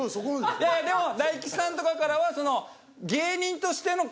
いやいやでも大吉さんとかからは。